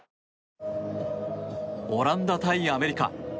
オランダ対アメリカ。